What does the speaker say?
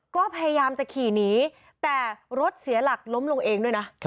ก็พยายามจะขี่หนีแต่รถเสียหลักล้มลงเองด้วยนะ